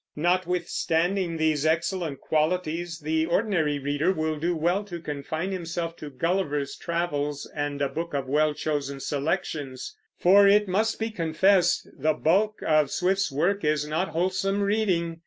Notwithstanding these excellent qualities, the ordinary reader will do well to confine himself to Gulliver's Travels and a book of well chosen selections. For, it must be confessed, the bulk of Swift's work is not wholesome reading.